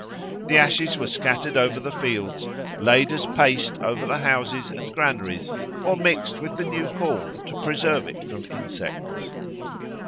The ashes were scattered over the fields, laid as paste over the houses and granaries, or mixed with the new corn to preserve it from insects.